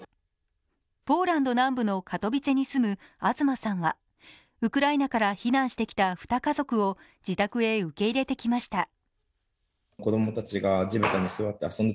ポーランド南部のカトヴィツェに住む東さんはウクライナから避難してきた２家族を自宅へ受け入れてきました。